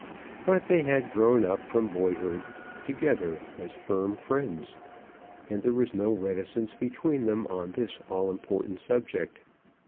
But they had grown up from boyhood together as firm friends, and there was no reticence between them on this all important subject.